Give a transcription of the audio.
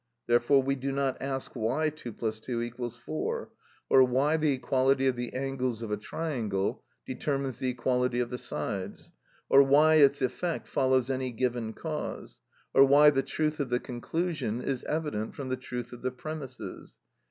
Therefore we do not ask why 2 + 2 = 4; or why the equality of the angles of a triangle determines the equality of the sides; or why its effect follows any given cause; or why the truth of the conclusion is evident from the truth of the premises.